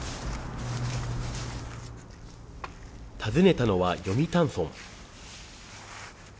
訪ねたのは読谷村。